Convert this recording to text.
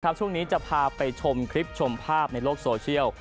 ช่วงนี้จะพาไปชมคลิปชมภาพในโลกโซเชียล